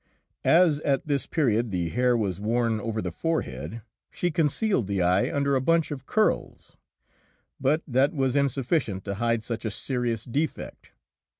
As at this period the hair was worn over the forehead, she concealed the eye under a bunch of curls, but that was insufficient to hide such a serious defect.